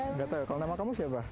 nggak tahu kalau nama kamu siapa